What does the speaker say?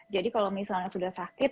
jadi kalau misalnya sudah sakit